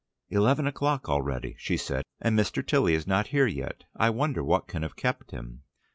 "Eleven o'clock already," she said, "and Mr. Tilly is not here yet. I wonder what can have kept him.